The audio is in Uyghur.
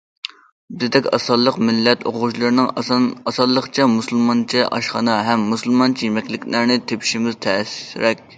بىزدەك ئاز سانلىق مىللەت ئوقۇغۇچىلىرىنىڭ ئاسانلىقچە مۇسۇلمانچە ئاشخانا ھەم مۇسۇلمانچە يېمەكلىكلەرنى تېپىشىمىز تەسرەك ئىدى.